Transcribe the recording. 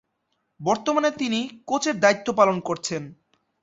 বর্তমানে তিনি কোচের দায়িত্ব পালন করছেন।